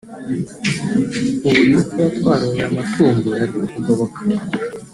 ubu iyo tuba twaroroye amatungo yari kutugoboka”